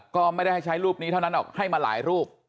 ก็ไม่ได้ให้ใช้รูปนี้เท่านั้นหรอกให้มาหลายรูป